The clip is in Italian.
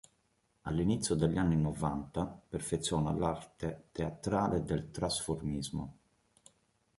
All'inizio degli anni Novanta, perfeziona l'arte teatrale del trasformismo.